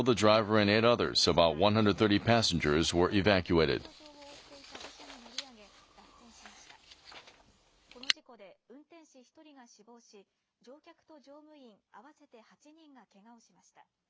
この事故で運転手１人が死亡し乗客と乗務員合わせて８人がけがをしました。